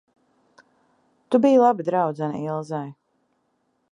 Tu biji laba draudzene Ilzei.